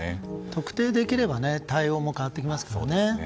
特定できれば対応も変わってきますからね。